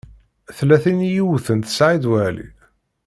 Tella tin i yewten Saɛid Waɛli?